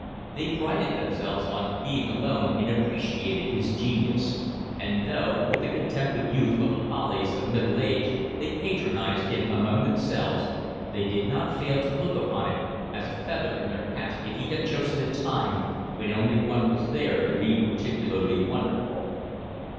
They prided themselves on being alone in appreciating his genius; and though, with the contempt of youth for the follies of middle age, they patronised him among themselves, they did not fail to look upon it as a feather in their caps if he had chosen a time when only one was there to be particularly wonderful.